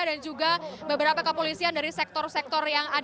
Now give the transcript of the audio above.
dan juga beberapa kepolisian dari sektor sektor yang lain